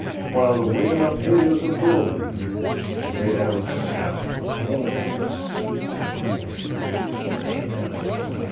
Whil' de win' up here's a blowin', 'Weh down Souf De corn is sweetly growin', 'Weh down Souf.